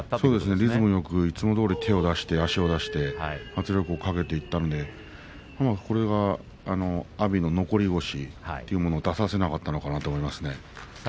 リズムよく手を出して足を出して圧力をかけていったのでこれが、阿炎の残り腰を出させなかったと思います。